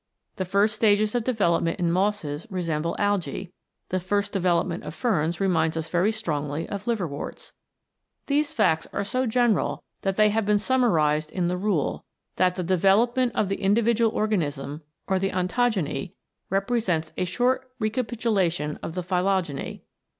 The first stages of development in mosses resemble algae, the first development of ferns reminds us very strongly of liverworts. These facts are so general that they have been summarised in the rule : That the development of the individual organism or the ontogeny represents a short re capitulation of the phytogeny.